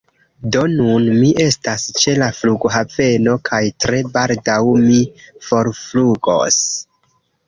Do, nun mi estas ĉe la flughaveno, kaj tre baldaŭ mi forflugos.